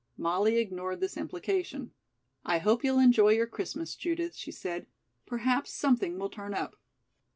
Molly ignored this implication. "I hope you'll enjoy your Christmas, Judith," she said. "Perhaps something will turn up."